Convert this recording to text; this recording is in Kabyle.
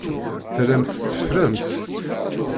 Tellamt tetteffremt.